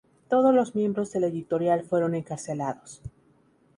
Todos los miembros de la editorial fueron encarcelados.